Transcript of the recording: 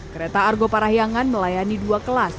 kereta argo parahyangan melayani dua kelas